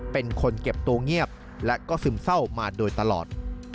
เป็นคนเก็บตัวเงียบและก็ซึมเศร้ามาโดยตลอด